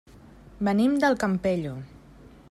Venim del Campello.